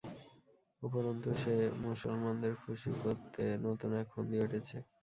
উপরন্তু সে মুসলমানদের খুশী করতে এক নতুন ফন্দিও এটেছে।